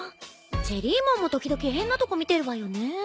ジェリーモンも時々変なとこ見てるわよね。